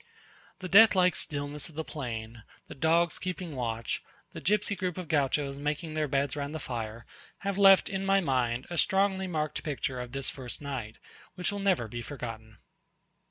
The death like stillness of the plain, the dogs keeping watch, the gipsy group of Gauchos making their beds round the fire, have left in my mind a strongly marked picture of this first night, which will never be forgotten.